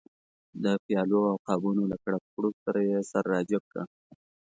د پیالو او قابونو له کړپ کړوپ سره یې سر را جګ کړ.